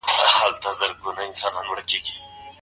هغه سوداګر چي پانګونه کوي هېواد جوړوي.